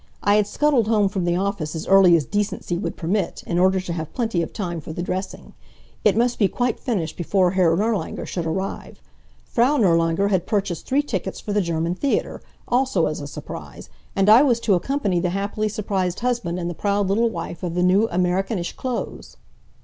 I had scuttled home from the office as early as decency would permit, in order to have plenty of time for the dressing. It must be quite finished before Herr Nirlanger should arrive. Frau Nirlanger had purchased three tickets for the German theater, also as a surprise, and I was to accompany the happily surprised husband and the proud little wife of the new Amerikanische clothes.